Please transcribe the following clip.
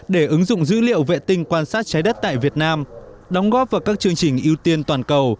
để ứng dụng dữ liệu vệ tinh quan sát trái đất tại việt nam đóng góp vào các chương trình ưu tiên toàn cầu